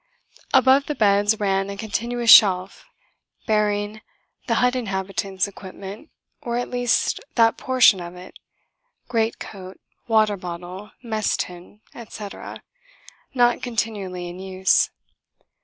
Above the beds ran a continuous shelf, bearing the hut inhabitants' equipment, or at least that portion of it great coat, water bottle, mess tin, etc. not continually in use.